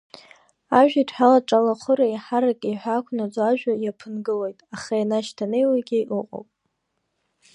Ажәеидҳәалаҿы алахәыра еиҳарак иҳәаақәнаҵо ажәа иаԥынгылоит, аха ианашьҭанеиуагьы ыҟоуп.